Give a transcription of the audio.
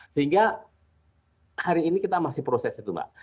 sehingga hari ini kita masih proses itu mbak